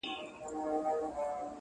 o د قاضي معاش څو چنده ته رسېږې ,